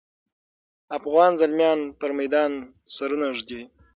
افغاني زلمیان پر میدان سرونه ږدي.